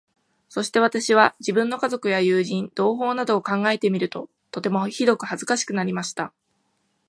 そして私は、自分の家族や友人、同胞などを考えてみると、とてもひどく恥かしくなりました。